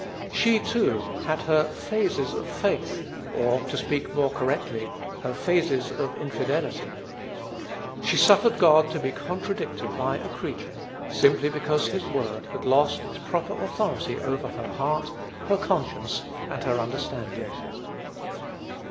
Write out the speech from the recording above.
She, too, had her "Phases of Faith," or, to speak more correctly, her phases of infidelity; she suffered God to be contradicted by a creature, simply because his word had lost its proper authority over her heart, her conscience, and her understanding.